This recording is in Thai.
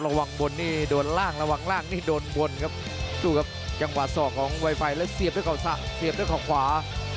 ระวังบนนี่โดนล่างระวังล่างนี่โดนบนครับดูครับอย่างหวัดสอกของไวไฟแล้วเสียบด้วยข่าวขวา